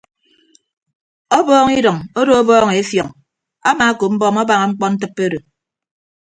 Ọbọọñ idʌñ odo ọbọọñ efiọñ amaakop mbọm abaña mkpọntịppe odo.